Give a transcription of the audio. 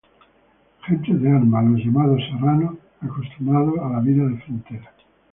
Gentes de armas, los llamados "serranos", acostumbrados a la vida de frontera.